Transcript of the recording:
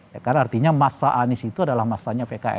ya kan artinya masa anies itu adalah masanya pks